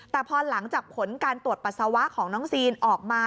แต่พอหลังจากผลการตรวจปัสสาวะของน้องซีนออกมา